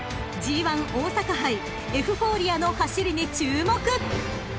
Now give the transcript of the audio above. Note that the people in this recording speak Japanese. ［ＧⅠ大阪杯エフフォーリアの走りに注目！］